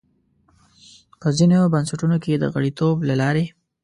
په ځینو بنسټونو کې د غړیتوب له لارې.